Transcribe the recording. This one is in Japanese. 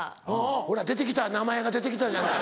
ほら出て来た名前が出て来たじゃない。